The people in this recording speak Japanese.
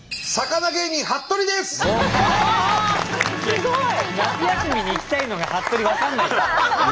すごい！